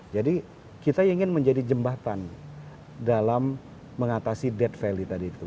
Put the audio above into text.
jadi kita ingin menjadi jembatan dalam mengatasi dead valley tadi itu